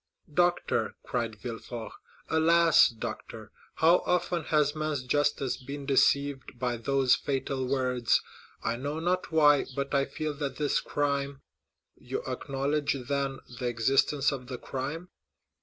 "Doctor," cried Villefort, "alas, doctor, how often has man's justice been deceived by those fatal words. I know not why, but I feel that this crime——" "You acknowledge, then, the existence of the crime?"